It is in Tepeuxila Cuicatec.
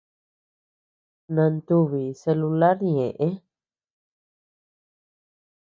Nantubi celular ñeʼe.